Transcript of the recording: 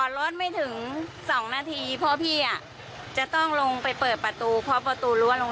เพราะเราไม่ได้เฉลี่ยวใจนะไม่เห็นน่ะ